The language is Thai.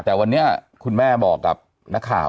แต่วันนี้คุณแม่บอกกับนักข่าว